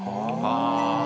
ああ。